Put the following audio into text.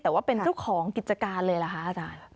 แต่ว่าเป็นเครื่องของกิจการเลยล่ะคะอาจารย์